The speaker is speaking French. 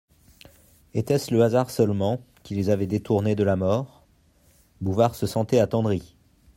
Était-ce le hasard seulement, qui les avait détournés de la mort ? Bouvard se sentait attendri.